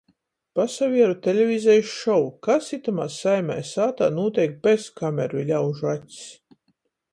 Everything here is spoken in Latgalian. Pasavieru televizejis šovu. Kas itamā saimē i sātā nūteik bez kameru i ļaužu acs?